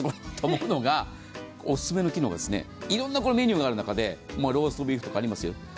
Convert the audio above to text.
おすすめの機能が、いろんなメニューがある中で、ローストビーフとかもありますよ。